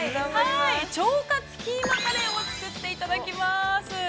腸活キーマカレーを作っていただきます。